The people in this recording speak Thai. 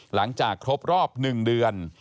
หลังจากครบรอบ๑เดือน